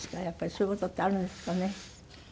やっぱりそういう事ってあるんですかね。